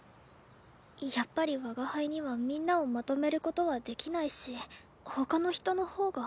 やっぱり我が輩にはみんなをまとめることはできないしほかの人の方が。